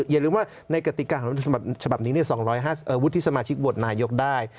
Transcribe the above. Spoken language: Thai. อย่าลืมว่าในกติการของรัฐฉบับนี้๒๕วุฒิสมาชิกโหวตนายกได้